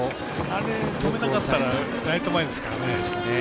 あれ止めなかったらライト前ですから。